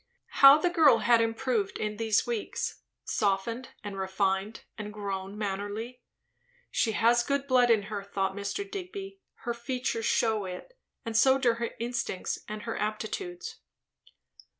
How the girl had improved in these weeks, softened and refined and grown mannerly. She has good blood in her, thought Mr. Digby; her features shew it, and so do her instincts, and her aptitudes.